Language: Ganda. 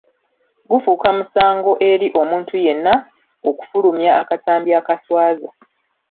Gufuuka musango eri omuntu yenna okufulumya akatambi akaswaza.